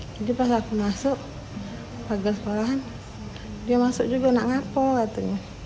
jadi pas aku masuk pagi sekolahan dia masuk juga anak ngapo katanya